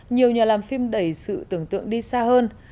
nhiều nhà làm phim đẩy sự tưởng tượng đi xa hơn